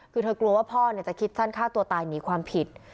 คือเธอกลัวว่าพ่อจะคิดสั้นฆ่าตัวตายหนีความผิด